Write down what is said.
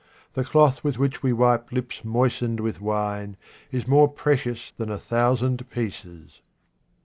The cloth with which we wipe lips moistened with wine is more precious than a thousand pieces.